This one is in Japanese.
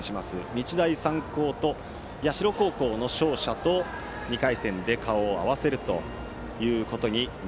日大三高と社高校の勝者と２回戦で顔を合わせます。